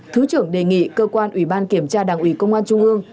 thứ trưởng đề nghị cơ quan ủy ban kiểm tra đảng ủy công an trung ương